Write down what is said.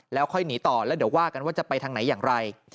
แล้วค่อยหนีต่อแล้วเดี๋ยวว่ากันว่าจะไปทางไหนอย่างไร